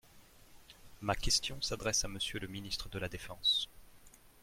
Ma question s’adresse à Monsieur le ministre de la défense.